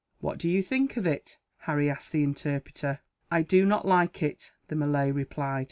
"What do you think of it?" Harry asked the interpreter. "I do not like it," the Malay replied.